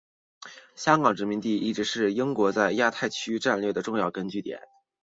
香港殖民地一直是英国在亚太区战略的重要据点。